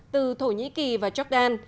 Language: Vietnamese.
từ thổ nhĩ kỳ và jordan